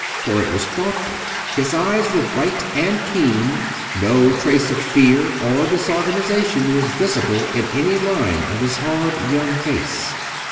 For it was thoughtful, his eyes were bright and keen no trace of fear or disorganization was visible in any line of his hard young face.